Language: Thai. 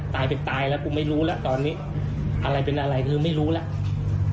ตายไปตายแล้วกูไม่รู้แล้วตอนนี้อะไรเป็นอะไรคือไม่รู้แล้ว